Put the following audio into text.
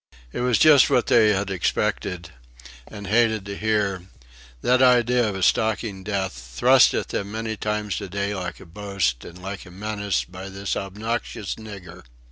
It was just what they had expected, and hated to hear, that idea of a stalking death, thrust at them many times a day like a boast and like a menace by this obnoxious nigger.